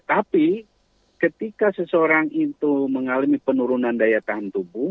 tapi ketika seseorang itu mengalami penurunan daya tahan tubuh